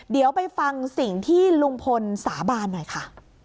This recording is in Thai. เดี๋ยวไปฟังสิ่งที่ลุงพลสาบานหน่อยค่ะ